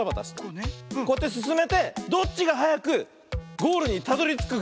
こうやってすすめてどっちがはやくゴールにたどりつくか。